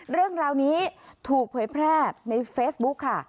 เรื่องราวนี้ถูกเผยแพร่ในเฟซบุ๊คค่ะ